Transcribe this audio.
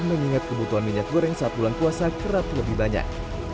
mengingat kebutuhan minyak goreng saat bulan puasa kerap lebih banyak